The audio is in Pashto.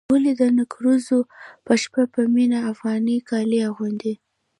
ولې نه د نکريزو په شپه به مينه افغاني کالي اغوندي.